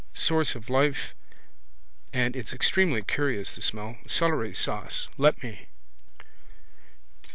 Source of life. And it's extremely curious the smell. Celery sauce. Let me.